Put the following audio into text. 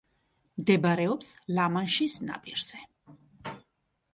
მდებარეობს ლა-მანშის ნაპირზე.